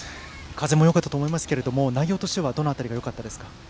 風もよかったと思いますけれども、内容としてはどの辺りがよかったですか？